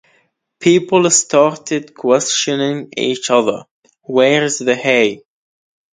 People started questioning each other: where is the hay?